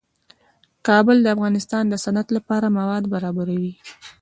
کابل د افغانستان د صنعت لپاره مواد برابروي.